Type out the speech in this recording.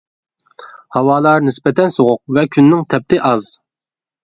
ھاۋالار نىسبەتەن سوغۇق ۋە كۈننىڭ تەپتى ئاز.